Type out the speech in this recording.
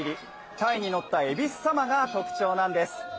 鯛に乗った恵比寿様が特徴なんです。